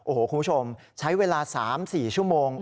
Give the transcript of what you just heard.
โอ้โหคุณผู้ชมใช้เวลา๓๔ชั่วโมง